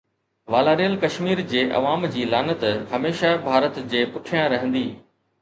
والاريل ڪشمير جي عوام جي لعنت هميشه ڀارت جي پٺيان رهندي